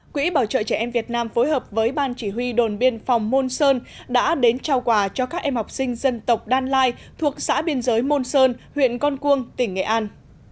quỹ bảo trợ trẻ em việt nam phối hợp với ban chỉ huy đồn biên phòng môn sơn đã đến trao quà cho các em học sinh dân tộc đan lai thuộc xã biên giới môn sơn huyện con cuông tỉnh nghệ an